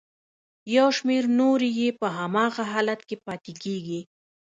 یو شمېر نورې یې په هماغه حالت کې پاتې کیږي.